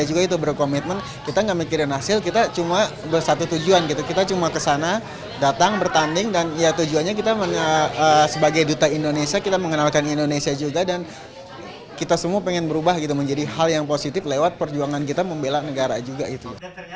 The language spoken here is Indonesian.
juga itu berkomitmen kita gak mikirin hasil kita cuma bersatu tujuan gitu kita cuma kesana datang bertanding dan ya tujuannya kita sebagai duta indonesia kita mengenalkan indonesia juga dan kita semua pengen berubah gitu menjadi hal yang positif lewat perjuangan kita membela negara juga gitu